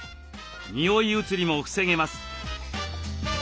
匂い移りも防げます。